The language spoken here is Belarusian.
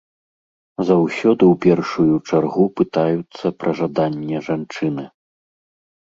Заўсёды ў першую чаргу пытаюцца пра жаданне жанчыны.